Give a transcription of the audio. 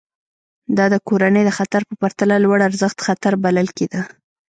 دا د کورنۍ د خطر په پرتله لوړارزښت خطر بلل کېده.